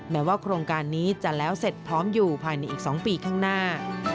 แม้ว่าโครงการนี้จะแล้วเสร็จพร้อมอยู่ภายในอีก๒ปีข้างหน้า